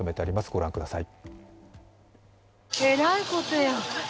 ご覧ください。